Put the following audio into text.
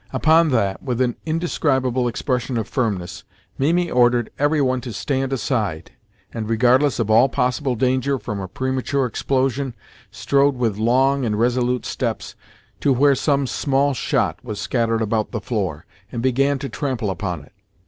Upon that, with an indescribable expression of firmness, Mimi ordered every one to stand aside, and, regardless of all possible danger from a premature explosion, strode with long and resolute steps to where some small shot was scattered about the floor, and began to trample upon it.